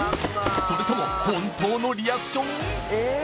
それともホントのリアクション？